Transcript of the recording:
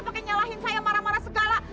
makanya nyalahin saya marah marah segala